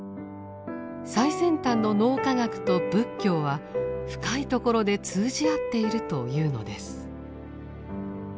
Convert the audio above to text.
最先端の脳科学と仏教は深いところで通じ合っているというのです。